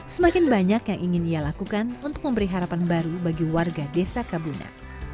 semakin banyak yang ingin ia lakukan untuk memberi harapan baru bagi warga desa kabuna